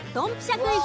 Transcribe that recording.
クイズ。